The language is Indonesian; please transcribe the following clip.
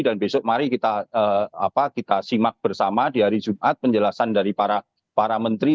dan besok mari kita simak bersama di hari jumat penjelasan dari para menteri